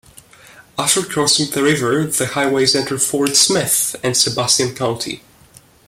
After crossing the river, the highways enter Fort Smith and Sebastian County.